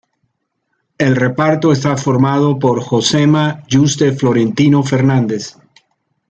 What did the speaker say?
El reparto está formado por Josema Yuste y Florentino Fernández.